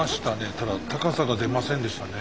ただ高さが出ませんでしたね。